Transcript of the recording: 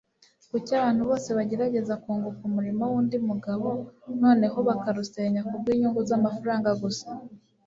kuki abantu bose bagerageza kunguka umurimo wundi mugabo noneho bakarusenya kubwinyungu zamafaranga gusa